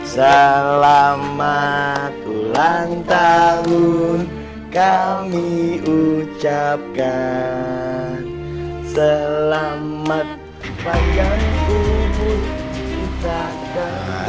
selamat ulang tahun kami ucapkan selamat bayangku kita ketemu akan